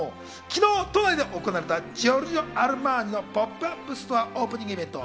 昨日、都内で行われたジョルジオ・アルマーニのポップアップストアオープニングイベント。